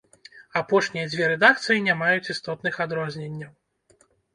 Апошнія дзве рэдакцыі не маюць істотных адрозненняў.